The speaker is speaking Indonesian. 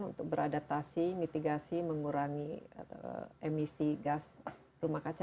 untuk beradaptasi mitigasi mengurangi emisi gas rumah kaca